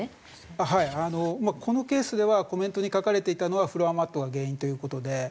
はいこのケースではコメントに書かれていたのはフロアマットが原因という事で。